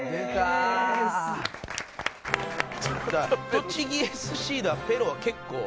栃木ＳＣでは「ペロ」は結構。